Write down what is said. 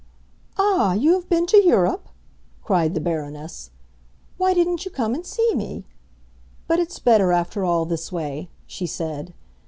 "Ah, you have been to Europe?" cried the Baroness. "Why didn't you come and see me? But it's better, after all, this way," she said.